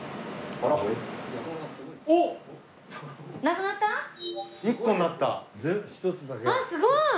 あっすごい！